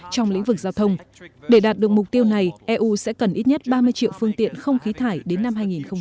trong lĩnh vực giao thông để đạt được mục tiêu này eu sẽ cần ít nhất ba mươi triệu phương tiện không khí thải đến năm hai nghìn ba mươi